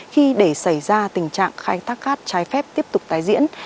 khi để xảy ra tình trạng khai thác cát trái phép tiếp tục tái diễn